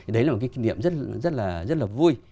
đấy là một cái kỷ niệm rất là vui